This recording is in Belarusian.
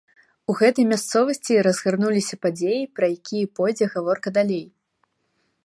У гэтай мясцовасці і разгарнуліся падзеі, пра якія пойдзе гаворка далей.